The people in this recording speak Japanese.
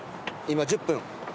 今１０分。